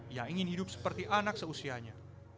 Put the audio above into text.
ia ingin hidup seperti anak seusianya